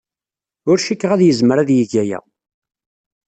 Ur cikkeɣ ad yezmer ad yeg aya.